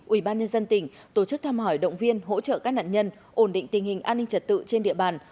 ủy ban nhân dân tỉnh tổ chức tham hỏi động viên hỗ trợ các nạn nhân ổn định tình hình an ninh trật tự trên địa bàn